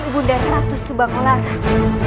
ibu undah ratu subang larang